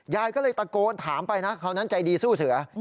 ยายก็เลยตะโกนถามไปนะคราวนั้นใจดีสู้เสือ